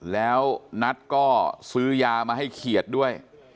แล้วนัทก็ซื้อยามาให้เขียดด้วย